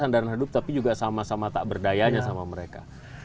sandaran hidup tapi juga sama sama tak berdayanya sama mereka